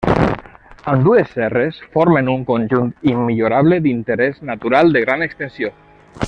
Ambdues serres formen un conjunt immillorable d’interès natural de gran extensió.